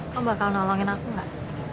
kamu bakal nolongin aku gak